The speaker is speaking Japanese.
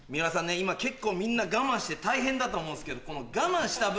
今結構みんな我慢して大変だと思うんですけどこの我慢した分。